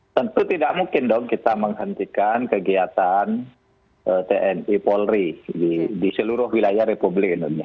tentu tidak mungkin dong kita menghentikan kegiatan tni polri di seluruh wilayah republik indonesia